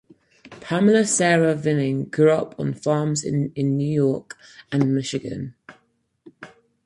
Pamelia Sarah Vining grew up on farms in New York and Michigan.